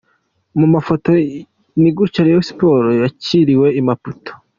Mu mafoto, ni gutya Rayon Sports yakiriwe i Maputo.